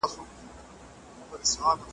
¬ چي مور ئې بټېرۍ وي، زوى ئې نه ادم خان کېږي.